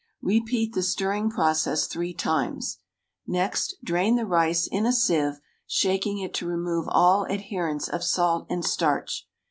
Repeat the stirring process three times. Next drain the rice in a sieve, shaking it to remove all adherents of salt and starch.